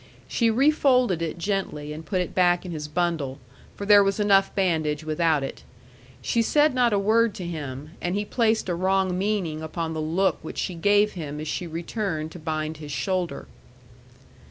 She refolded it gently and put it back in his bundle, for there was enough bandage without it. She said not a word to him, and he placed a wrong meaning upon the look which she gave him as she returned to bind his shoulder.